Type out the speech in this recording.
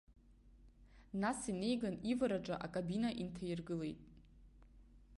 Нас инеиган ивараҿы акабина инҭаиргылеит.